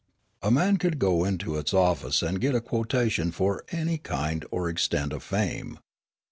A man could go into its office and get a quotation for any kind or extent of fame.